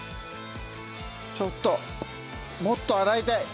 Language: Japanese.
ちょっともっと洗いたい！